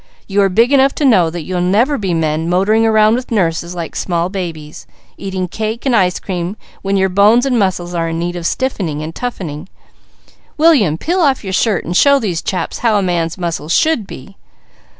You are big enough to know that you'll never be men, motoring around with nurses, like small babies; eating cake and ice cream when your bones and muscles are in need of stiffening and toughening. William, peel off your shirt, and show these chaps how a man's muscle should be."